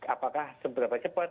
apakah seberapa cepat